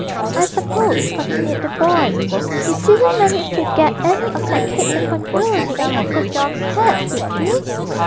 'I suppose,' continued the boy, 'you didn't manage to get any of that cake the conjurer made in Uncle John's hat, did you?'